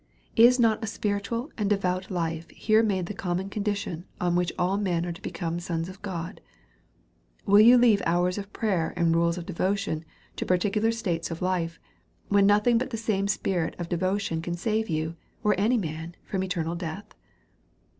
Is not a spiritual and devout lite here made the common condition on which all men are to become sons of God ? Will you leave hours of prayer and rules of devotion to particular states of life, when no thing but the same spirit of devotion can save you, or any man, from eternal death